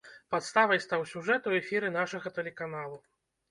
Падставай стаў сюжэт у эфіры нашага тэлеканалу.